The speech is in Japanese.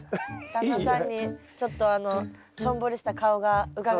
旦那さんにちょっとあのしょんぼりした顔がうかがえますね。